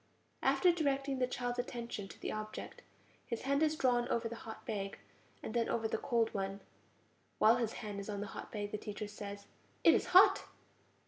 After directing the child's attention to the object, his hand is drawn over the hot bag, and then over the cold one; while his hand is on the hot bag the teacher says: It is hot!